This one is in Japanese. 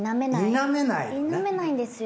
否めないんですよ。